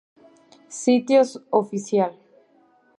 Sitio oficial